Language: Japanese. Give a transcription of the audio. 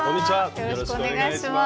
よろしくお願いします。